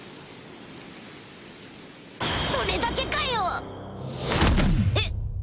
それだけかよ！へっ？